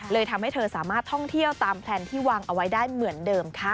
ทำให้เธอสามารถท่องเที่ยวตามแพลนที่วางเอาไว้ได้เหมือนเดิมค่ะ